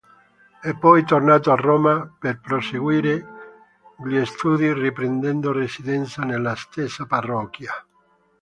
È poi tornato a Roma per proseguire gli studi riprendendo residenza nella stessa parrocchia.